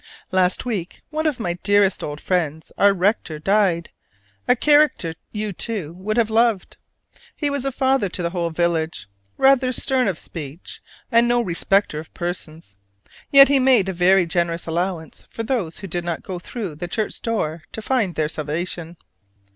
Last week one of my dearest old friends, our Rector, died: a character you too would have loved. He was a father to the whole village, rather stern of speech, and no respecter of persons. Yet he made a very generous allowance for those who did not go through the church door to find their salvation.